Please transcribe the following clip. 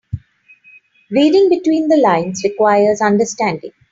Reading between the lines requires understanding.